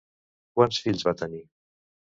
Quants fills va tenir?